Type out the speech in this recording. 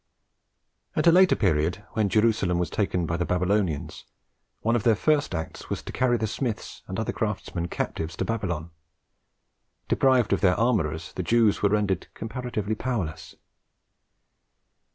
At a later period, when Jerusalem was taken by the Babylonians, one of their first acts was to carry the smiths and other craftsmen captives to Babylon. Deprived of their armourers, the Jews were rendered comparatively powerless.